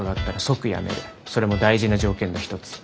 それも大事な条件の一つ。